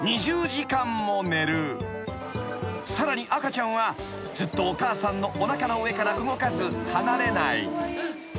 ［さらに赤ちゃんはずっとお母さんのおなかの上から動かず離れない］